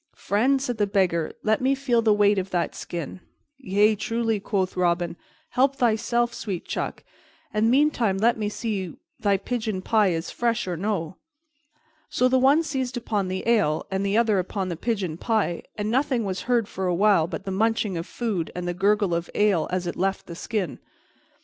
"Friend," said the Beggar, "let me feel the weight of that skin. "Yea, truly," quoth Robin, "help thyself, sweet chuck, and meantime let me see whether thy pigeon pie is fresh or no." So the one seized upon the ale and the other upon the pigeon pie, and nothing was heard for a while but the munching of food and the gurgle of ale as it left the skin.